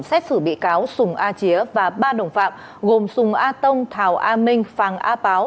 xét xử bị cáo sùng a chía và ba đồng phạm gồm sùng a tông thảo a minh phàng a páo